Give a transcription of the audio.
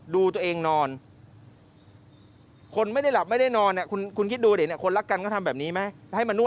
ดูตัวเองนอนคนไม่ได้หลับไม่ได้นอนคุณคิดดูเดี๋ยว